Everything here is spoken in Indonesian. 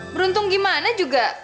beruntung gimana juga